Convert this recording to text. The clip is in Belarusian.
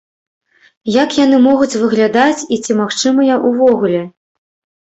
Як яны могуць выглядаць і ці магчымыя ўвогуле?